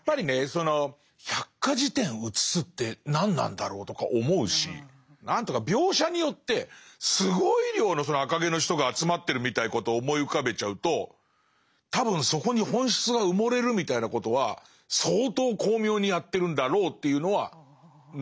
その百科事典を写すって何なんだろうとか思うし何ていうのか描写によってすごい量のその赤毛の人が集まってるみたいなことを思い浮かべちゃうと多分そこに本質が埋もれるみたいなことは相当巧妙にやってるんだろうというのは分かります。